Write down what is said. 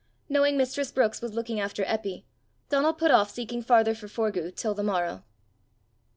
Knowing mistress Brookes was looking after Eppy, Donal put off seeking farther for Forgue till the morrow.